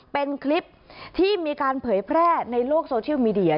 เป็นคลิปที่มีการเผยแพร่ในโลกโซเชียลมีเดีย